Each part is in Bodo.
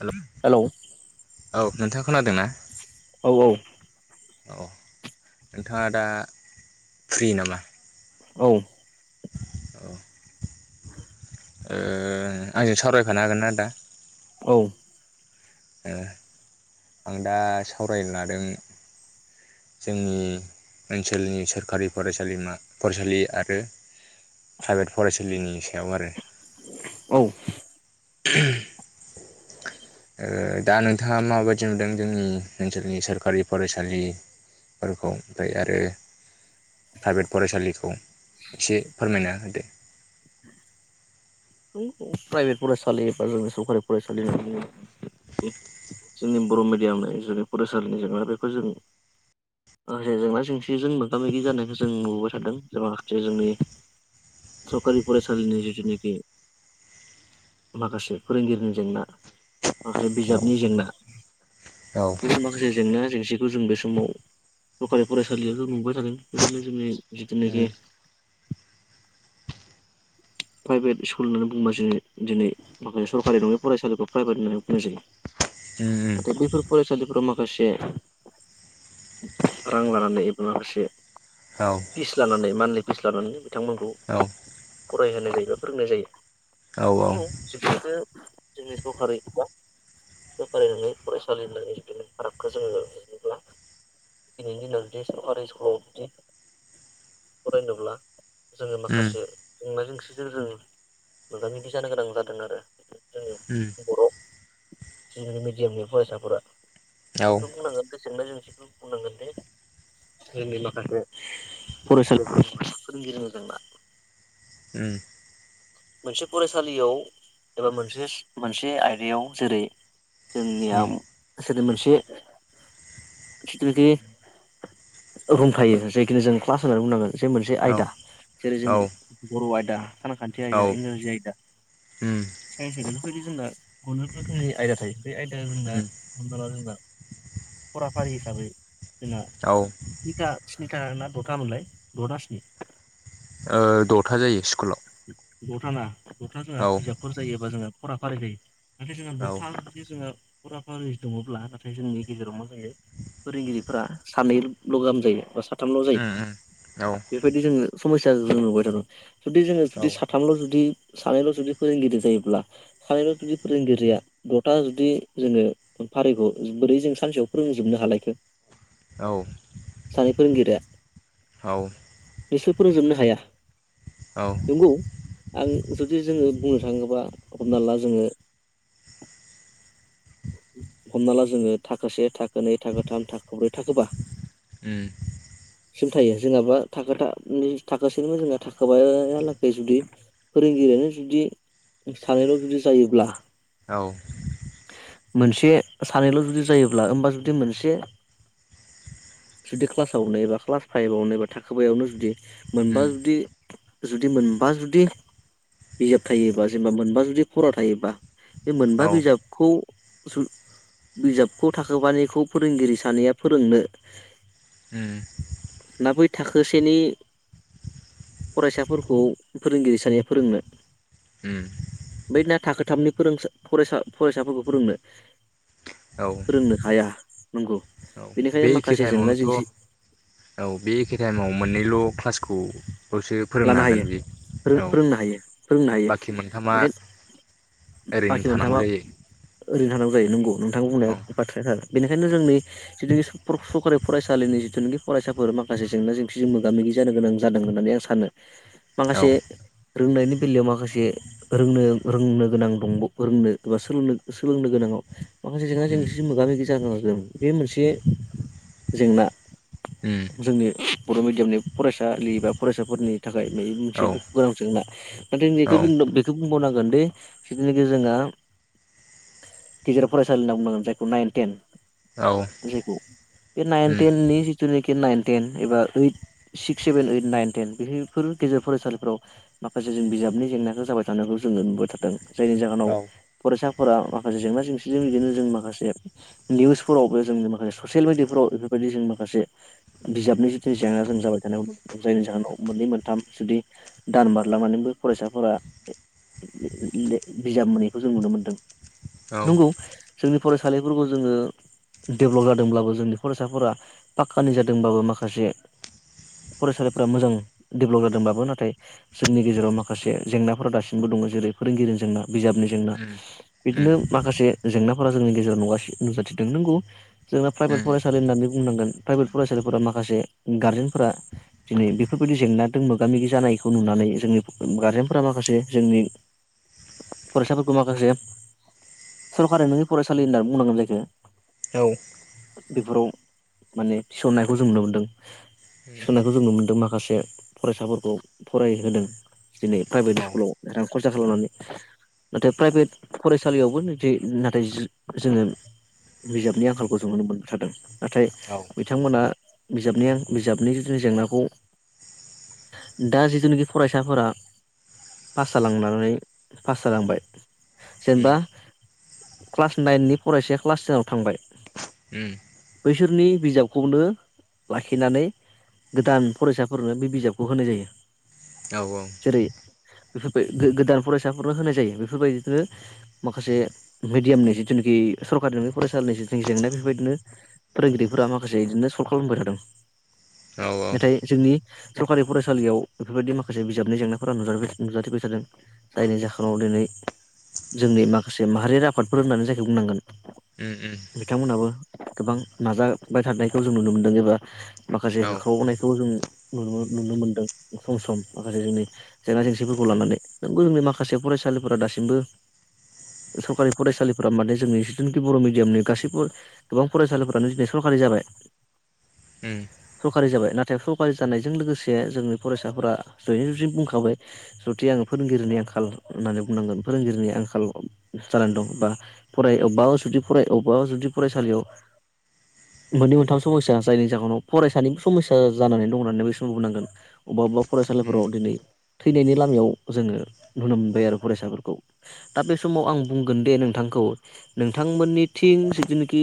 हेलौ औ नोंथाङा खोनादोंना? औ औ। अ नोंथाङा दा फ्रि नामा? औ। [inaudible] ओ आंजों सावरायफानो हागोनना दा? औ। आं दा सावरायनो लादों जोंनि ओनसोलनि सोरखारि फरायसालिमा फरायसालि आरो प्राइभेट फरायसालिनि सायाव आरो। [inaudible] औ ओहोम। ओ दा नोंथाङा माबायदि नुदों जोंनि ओनसोलनि सोरकारि फरायसालि फोरखौ ओमफ्राय आरो प्राइभेट फरायसालिखौ? एसे फोरमायना होदो। [inaudible] प्राइभेट फरायसालि बा जोंनि सरकारि फरायसालि होनना बुङो जोंनि बर' मिडियामनि जोंनि फरायसालिनि जेंना बेखौ जों माखासे जेंना जेंसिजों मोगा मोगि जानायखौ जों नुबोबाय थादों जाहाते जोंनि सरकारि फरायसालिनि जिथु नोकि [inaudible] माखासे फोरोंगिरिनि जेंना माखासे औ बिजाबनि जेंना औ माखासे जेंना जेंसिखौ जों बे समाव सरखारि फरायसालियाथ' नुबोबाय थादों बेबायदिनो जोंनि जिथुनोखि उम [inaudible] [inaudible] फ्रयभेत इस्क स्कुल होननानै बुंबा जोङो दिनै माखासे सरकारि नङै फरायसालिखौ प्राइभेट होननानै बुंनाय जायो। उम उम नाथाय बैफोर फरायसालिफोराव माखासे रां लानानै एबा माखासे औ फिस लानानै मानलि फिस लानानै बिथांमोनखौ औ फरायहोनाय जायो बा फोरोंनाय जायो। औ बेफोरखो जोंनि दरकारै बा सरकारि नङै फरायसालि होननानै जिथुनिखि फारागखौ जोङो नायोब्ला दिनैनि दिनाव जुदि सरकारि स्कुलाव बिदि फरायनोब्ला जोङो उम माखासे जेंना जेंसिजों जों मोगा मोगि जानो गोनां जादों आरो उम जोंनि बर' जोंनि मिडियामनि फरायसाफोरा औ बेखौ बुंनांगोन [unintelligible] बुंनांगोन दे जोंनि माखासे फरायसालिफोर फोरोंगिरिनि जेंना ओम मोनसे फरायसालियाव एबा मोनसे मोनसे आयदायाव जेरै जोंनिया उम सोदोब मोनसे [unintelligible] बुंफायो जायखि जों क्लास होननानै बुंनांगोन जे मोनसे औ आयदा जेरै जों औ बर' आयदा सानखान्थि औ आयदा इंराजि आयदा उम साइन्स बेफोरबायदि जोंना गुबुन रोखोमनि आयदा थायो बे आयदाया जोंना उम हमना ला जोंना फराफारि हिसाबै जोंहा औ स्निटा स्निथा ना दथामोनलाय दना स्नि ओ दथा जायो स्कुलाव। दथाना दथा जोंहा औ बिजाबफोर जायोबा जोङो फरा फारि जायो नाथाय जोंहा औ दथा जुदि जोङो फराफारि दङब्ला नाथाय जोंनि गेजेराव मा जायो फोरोंगिरिफोरा सानैल' गाहाम जायो बा साथामल' उम उम औ जायो बेबायदि जोङो समस्या जों नुबाय थागोन जुदि जोङो जुदि औ बाथ थामल' जुदि सानैल' जुदि फोरोंगिरि जायोब्ला सानैल' जुदि फोरोंगिरिया दटा जुदि जोङो फारिखौ बोरै जों सानसेयाव फोरोंजोबनो हालायखो औ औ सानै फोरोंगिरिया औ उम बिसोर फोरोंजोबनो हाया औ नंगौ आं जुदि जोङो बुंनो थाङोब्ला हमना ला जोङो [inaudible] हमना ला जोङो थाखो से थाखो नै थाखो थाम थाखो ब्रै थाखो बा [inaudible] सिम थायो जेनाबा थाखो थामनि थाखोसेनि जोंना थाखाबायालागै जुदि फोरोंगिरियानो जुदि सानैल' जुदि जायोब्ला औ मोनसे सानैल' जुदि जायोब्ला हबा जुदि मोनसे [unintelligible] जुदि क्लासावनो एबा क्लास फाइभआवनो एबा थाखोबायावनो जुदि मोनबा जुदि जुदि मोन मोनबा जुदि बिजाब थायोबा जेनेबा मोनबा जुदि खरा थायोबा बे मोनबा बिजाबखौ बिजाबखौ थाखोबानायखौ फोरोंगिरि सानैया फोरोंनो उम ना बै थाखोसेनि फरायसाफोरखौ फोरोंगिरि स सानैया फोरोंनो उम बै ना थाखोथामनि फोर फरायसाफोरखौ फोरोंनो औ औ फोरोंनो हाया नंगौ बे बेनिखायनो एखे माखासे लाइनाव जेंना नोथ जेंसि औ' बे एखे लाइनाव मोननैल' क्लासखौ लानो हायो फोरोंनो हायो फोरोंनो हायो बाखि मोनथामा ओंखायनो ओरैनो बाखि थानांगौ मोनथामा जायो ओरैनो थानांगौ नोंगौ नोंथांखौ बुंनाया औ बाथ्राया आर बेनिखायनो जोंनि जिथुखि सरकारि फरायसालिनि जिथुिनाखि फरायसाफोर माखासे जेंना जेंसिजों मोगा मोगि जानो गोनां जादों होननानै आं सानो औ माखासे रोंनायनि बेलायाव माखासे रोंनो रोंनो गोनां दंब रोंनो एबा सोलोंनो गोनां माखासे जेंना उम जेंसि मोगा मोगि जाबोदों बे मोनसे जेंना उम जोंनि बर' मिडियामनि फरायसालि बा फरायसाफोरनि थाखाय बे मोनसे औ दुखु गोनां जेंना नाथाय ज औ बेखौ बेखौ बुंबावनांगोन दि जिथुनाखि जोंहा [inaudible] गेजेर फरायसालि होनना बुंनांगोन जायखौ नाइन टेन औ जायखौ बे नाइन, उम टेन नि जिथुनाखि नाइन, टेन एबा eight, six, seven, eight, nine, ten बे बेफोर गेजेर फरायसालिफोराव माखासे जों बिजाबनि जेंनाखौ जाबाय थानायखौ जोङो नुबाय थादों जायनि जाहोनाव फरायसाफोरा माखासे जेंना जेंसिजों बिदिनो जों माखासे निउसफोरावबो जों माखासे ससियेलि व बेफोरबायदि जों माखासे बिजाबनि जु जेंना जों जाबाय थानाय जायनि जाहोनाव मोननै मोन थाम जुदि दान बारला मनानैबो फरायसाफोरा बिजाब मोनैखौ जों नुनो मोनदों। औ औ नंगौ जोंनि फरायसालिफोरखौ जोङो डेभेलप जादोंब्लाबो जोंनि फरायसाफोरा पाक्कानि जादोंबाबो माखासे फरायसालिफ्रा मोजां डेभेलप जादोंबाबो नाथाय जोंनि गेजेराव माखासे जेंनाफोरा दासिमबो दङ जेरै फोरोंगिरि जेंना बिजाबनि जेंना उम उम बिदिनो माखासे जेंनाफोरा जोंनि गेजेराव नुगासि नुजाथिदों नोंगोव जेंनाफ्रा उम फरायसालि होना बुंनांगोन प्रायबेथ फरायसालिफोरा माखासे गरजेनफ्रा दिनै बिफोर बायदि जेंनाजों मोगा - मोगि जानायखौ नुनानै जोंनि गारजेनफोरा माखासे जोंनि फरायसाफोर मााखासे सरकारा नोंनि फरायसालि होनना बुंनांगोन जायखो औ बेफोराव माने थिसननायखौ जों नुनो मोनदों थिसननायखौ जों नुनो मोन्दों माखासे फरायसाफोरखौ फरायहोदों दिनै प्राइभेट औ स्कुलाव रां खरसा खालामनानै। नाथाय प्राइभेट फरायसालियावबो जे नाथाय जोङो बिजाबनि आंखालखौ जों नुनो मोनबाय थादों नाथाय औ बिथांमोना बिजाबनि बिजाबनि नि जेंनाखौ [unintelligible] दा जिथुनाखि फरायसाफोरा पास जालांनानै पास जालांबाय उम जेनेबा क्लास नाइननि फरायसाया क्लास टेनाव थांबाय उम बैसोरनि बिजाबखौनो लाखिनानै गोदान फरायसाफोरनो बिजाबखौ होनाय जायो औ' -औ'। बेफोरबाय गोदान फरायसाफोरनो होनाय जायो बेफोरबायदिनो माखासे मिडियामनि जिथु जि सरकारि नङि फरायसालिनि जिनाखि जेंना बेफोरबायदिनो फोरोंगिरिफोरा माखासे बिदिनो सल्भ खालामबाय थादों औ नाथाय जोंनि सरकारि फरायसालियाव बेफोरबायदि माखासे बिजाबनि जेंनाफोरा नुजा नुजाथिबाय थादों जायनि जाहोनाव दिनै [inaudible] जोंनि माखासे माहारियारि आफादफोर होननानै जायखौ बुंनांगोन उम उम बिथांमोनाबो गोबां नाजाबाय थानायखौ जों नुनो मोनदों एबा माखासे औ उम होख्रावनायखौ खौ जों नु नुनो मोनदों सम -सम माखासे जोंनि जेंना जेंसिफोरखौ लानानै नोंगौ जोंनि माखासे फरायसालिफोरा दासिमबो सरकारि फरायसालिफोरा माने जोंनि जिथुखि बर' मिडियामनि गासैबो गोबां फरायसालिफोरानो दिनै सरकार जाबाय [inaudible] सरकारि जाबाय नाथाय सरकारि जानायजों लोगोसे जोंनि फरायसाफोरा जयैनो जि बुंखाबाय जुदि आङो फोरोंगिरिनि आंखाल होननानै बुंनांगोन फोरोंगिरिनि आंखाल जानानै दं बा फराय अबेबा जुदि फराय अबेबा जुदि फरायसालियाव [inaudible] मोननै, मोनथाम समयसा जायनि जाहोनाव फरायसानिबो समयस्या जानानै दं होननानै बै समाव बुंनांगोन अबेबा -अबेबा फरायसालिफोराव दिनै थैनायनि लामायाव जोङो नुनो मोन फरायसाफोरखौ दा बे समाव आं बुंगोन दे नोंथांखौ नोंथांमोननि थिं जनाखि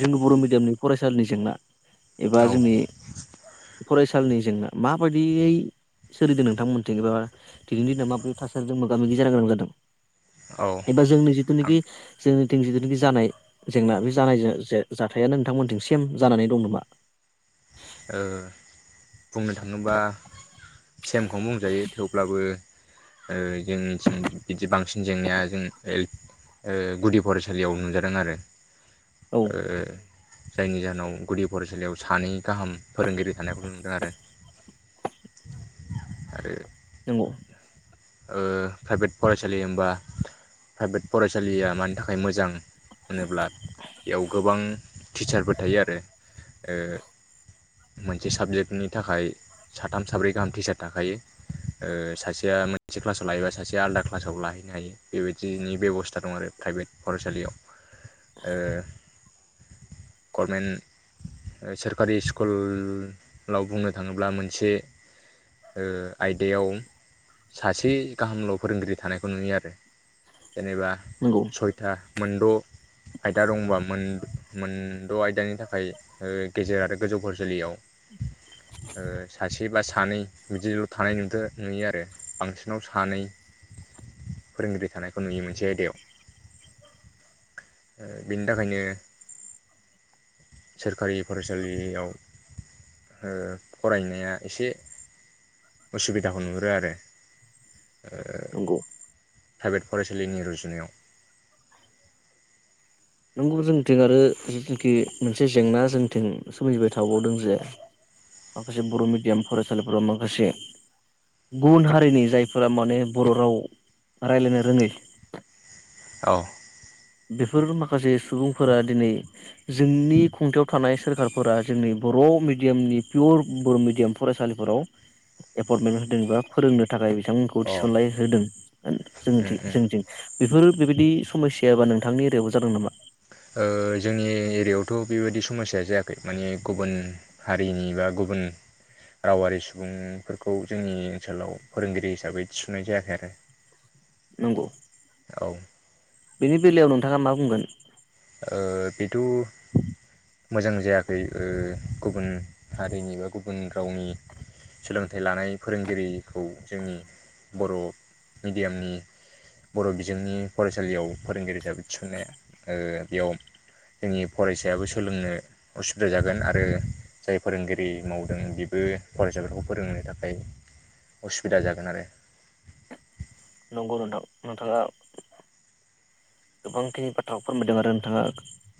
जों बर' मिडियामनि फरायसालिनि जेंना एबा औ जोंनि फरायसालिनि जेंना माबायदियै सोलिदों नोंथांमोनथिं एबा दिनैनि दिनाव माबोरै थासारिजों मोगा मोगि जानो गोनां जादों औ एबा जोंनि आं जिथुनिखि जोंनिथिं जिथुनाखि जानाय जेंना बे जानाय जा-जा-जाथायानो नोंथांमोनथिं सेम जानानै दं नामा? ओ। खुनुबा सेमखौ बुंजायो थेवब्लाबो ओ जोंनिथिं बिदि बांसिन जेंनाया जों ओ ओ गुदि फरायसालियाव नुजादों आरो औ ओ जायनि जाहोनाव गुदि फरायसालियाव सानै गाहाम फोरोंगिरि थानायखौल नुदों आरो। आरो नोंगौ। ओ प्राइभेट फरायसालि होनबा प्राइभेट फरायसालिया मानि थाखाय मोजां। होनोब्ला बेयाव गोबां टिचारफोर थायो आरो ओ मोनसे साबजेक्टनि थाखाय। साथाम साब्रै गाहाम टिचार थाखायो ओ सासेया मो सासे क्लासाव लायोबा सासे आलादा क्लासाव लाहैनो हायो बेबायदिनि बेब'स्था दं आरो प्राइभेट फरायसालियाव। ओ गर्मेनट। सोरखारि स्कुल लाव बुंनो थाङोब्ला मोनसे ओ आयदायाव। सासे गाहामल' फोरोंगिरि थानायखौ नुयो आरो जेनेबा नंगौ सयथा। मोनद'। आयदा दंबा मोन-मोनद' आयदानि थाखाय ओ गेजेर आरो गोजौ फरायसालियाव। ओ सासे बा सानै बिदिल' थानाय नुदो नुयो आरो। बांसिनाव सानै फोरोंगिरि थानायखौ नुयो मोनसे आयदायाव। ओ बिनि थाखायनो। सोरखारि फरायसालियाव। ओ फरायनाया एसे उसुबिदाखौ नुुहरो आरो। नंगौ। प्राइभेट फरायसालिनि रुजुनायाव। नंगौ जोंथिं आरो जिथुनिखि मोनसे जेंना जोंथिं सोमजिबाय थाबावदों जे माखासे बर' मिडियाम फरायसालिफोराव माखासे गुबुन हारिनि जायफोरा माने बर' राव रायलायनो रोङै औ। बेफोर माखासे सुबुंफोरा दिनै जोंनि खुंथायाव थानाय सोरखारफोरा जोंनि बर' र' मिडियाम नि पियर बर' मिडियाम फरायसालिफोराव एपइन्टमेन्ट होदोंबा फोरोंनो थाखाय बि थांमोनखौ अ थिसनलाय होदों उम उम जोंथिं-जोंथिं बेफोर बेबायदि सम याबा नोंथांनि एरियायावबो जादों नामा? ओ जोंनि एरियायावथ' बेबायदि समसाया जायाखै माने गुबुन हारिनि बा गु बुन। रावारि सुबुंफोरखौ जोंनि ओनसोलाव फोरोंगिरि हिसाबै थिसुनाय जायाखै आरो। नंगौ औ ओ बेनि बेलायाव नोंथाङा मा बुंगोन। बेथ' मोजां जायाखै ओ गुबुन हारिनि बा गुबुन रावनि। सोलोंथाइ लानाय फोरोंगिरिखौ जोंनि बर' मिडियामनि। बर' बिजोंनि फरायसालियाव फोरोंगिरि हिसाबै थिसन्नाया ओ बेयाव। जोंनि फरायसायाबो सोलोंनो उसुबिदा जागोन आरो जाय फोरोंगिरि मावदों बेबो बो फरायसाफोरखौ फोरोंनो थाखाय असुबिदा जागोन आरो। नंगौ नोंथां नोंथाङा [unintelligible] गोबांखिनि बाथ्राखौ फोरमायदों आरो नोंथाङा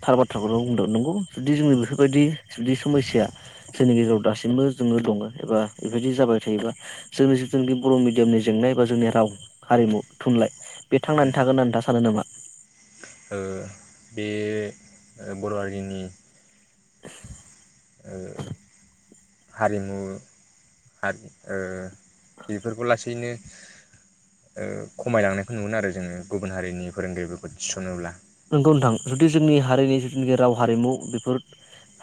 थार बाथ्राखौनो बुंदों नंगौ जुदि जोंङो बेफोरबायदि। जुदि समयसाया जोंनि गेजेराव दासिमबो जोङो दङ एबा बेबायदि जाबाय थायोबा जोंनि जिथुनाखि बर' मिडियामनि जेंनाय एबा जोंनि राव हारिमु थुनलाइ बे उम थांनानै थागोन होनना नोंथाङा सानो नामा? ओ बे ओ बर' हारिनि [inaudible] ओं। [inaudible] हारिमु हाद ओ बेफोरखौ लासैनो ओ खमायलांनायखौ नुगोन आरो जोङो गुबुन हारिनि फोरोंगिरिफोरखौ थिस'नोब्ला। नोंगौ नोंथां जुदि जोंनि हारिनि जिथुनाखि राव हारिमु बेफोर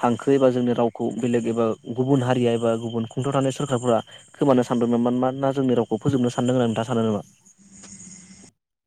हांखो एबा जोंनि रावखौ बेलेग एबा गुबुन हारिया एबा गुबुन खुंथायाव थानाय सोरखारफोरा खोमानो सानदोंमोन। मानोना जोंनि रावखौ फोजोब बुंनो सानदों होनना नोंथाङा सानदों नामा? [inaudible]